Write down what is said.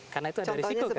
karena itu ada risiko kan